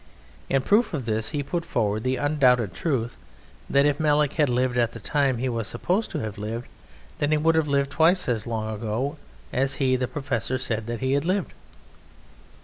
In proof of this he put forward the undoubted truth that if Melek had lived at the time he was supposed to have lived, then he would have lived twice as long ago as he, the professor, said that he had lived.